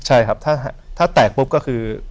ใช่ครับถ้าแตกปุ๊บก็คือ